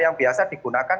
yang biasa digunakan